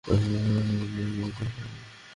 এটা একটা রুটিন বটে!